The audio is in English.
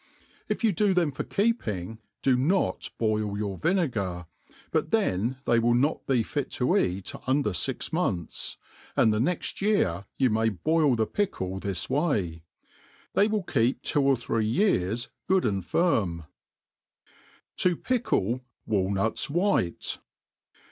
If you do them for beeping, do no^ boil your vinegar, but then they will not be fit to eat under £x months : and the next year you may boil the pickle thi^ wajte They will keep two or three years good and firm. 7i pidle Tf^alnuis white.